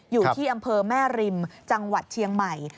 อยู่ที่อำเภอแม่ริมจังหวัดเชียงใหม่